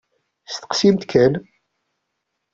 Steqsimt kan!